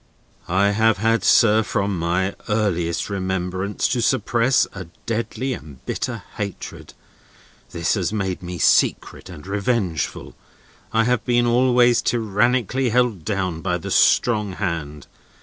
"I have had, sir, from my earliest remembrance, to suppress a deadly and bitter hatred. This has made me secret and revengeful. I have been always tyrannically held down by the strong hand.